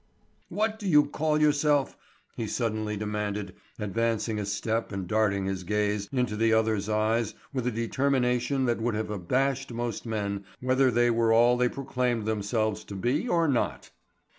What do you call yourself?" he suddenly demanded, advancing a step and darting his gaze into the other's eyes with a determination that would have abashed most men whether they were all they proclaimed themselves to be or not.